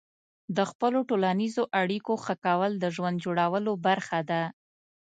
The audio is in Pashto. د خپلو ټولنیزو اړیکو ښه کول د ژوند جوړولو برخه ده.